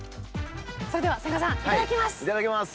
それでは千賀さんいただきます。